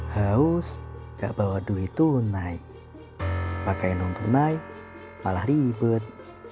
haus gak bawa duit tunai pakai nonton naik malah ribet